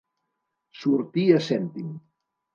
Sortir a cèntim.